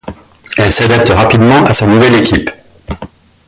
Elle s'adapte rapidement à sa nouvelle équipe.